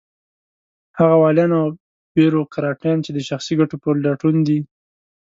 هغه واليان او بېروکراټان چې د شخصي ګټو په لټون دي.